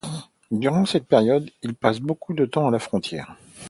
Durant cette période, il passe beaucoup de temps à la frontière.